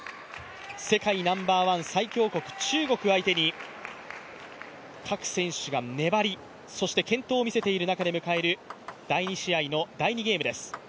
世界ナンバーワン最強国・中国を相手に各選手が粘り、そして健闘を見せている中で迎える第２試合の第２ゲームです。